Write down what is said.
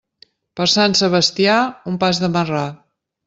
Per Sant Sebastià, un pas de marrà.